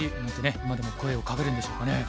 今でも声をかけるんでしょうかね。